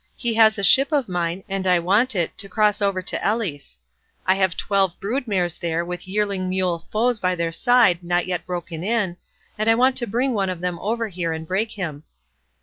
He has a ship of mine, and I want it, to cross over to Elis: I have twelve brood mares there with yearling mule foals by their side not yet broken in, and I want to bring one of them over here and break him."